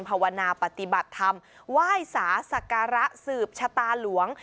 ภาวนาปฏิบัติธรรมไหว้สาศักระสืบชะตาหลวง